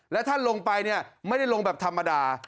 แล้วท่านลงไปเนี่ยไม่ได้ลงแบบธรรมดา